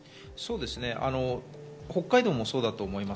北海道もそうだと思います。